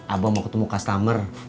abang mau ketemu customer